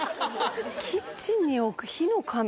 キッチンに置く火の神。